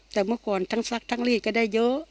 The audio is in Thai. แต่เมื่อก่อนทั้งซักทั้งรีดก็ได้เยอะ